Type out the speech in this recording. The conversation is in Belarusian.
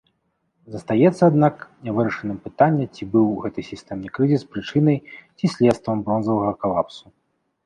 Застаецца, аднак, нявырашаным пытанне, ці быў гэты сістэмны крызіс прычынай ці следствам бронзавага калапсу.